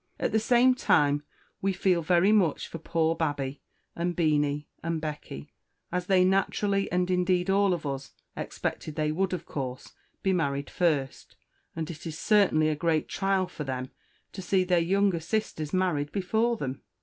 At the same time, we Feel very much for poor Babby, and Beenie, and Becky, as they Naturally, and indeed all of us, Expected they would, of Course, be married first; and it is certainly a great Trial for them to See their younger sisters married before them.